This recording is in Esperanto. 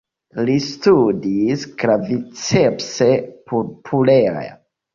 Li studis "Claviceps purpurea".